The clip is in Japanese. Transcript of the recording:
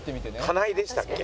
金井でしたっけ？